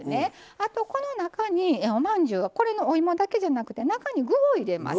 あと、この中におまんじゅうがこれのお芋だけじゃなくて中に具を入れます。